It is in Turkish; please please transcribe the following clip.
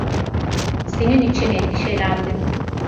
Senin için endişelendim.